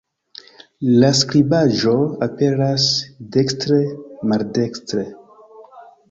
La skribaĵo aperas dekstre-maldestre.